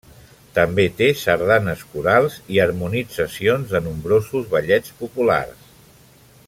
També té sardanes corals i harmonitzacions de nombrosos ballets populars.